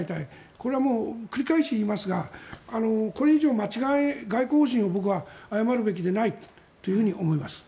これはもう繰り返し言いますがこれ以上、外交方針を僕は誤るべきでないと思います。